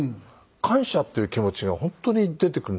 感謝っていう気持ちが本当に出てくるんですよ。